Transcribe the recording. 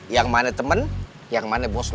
yang mana temen yang mana bos lu